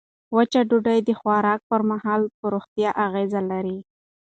وچه ډوډۍ د خوراک پر مهال پر روغتیا اغېز لري.